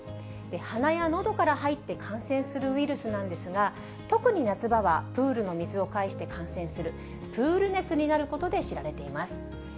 鼻やのどから入って感染するウイルスなんですが、特に夏場はプールの水を介して感染する、プール熱になることで知られています。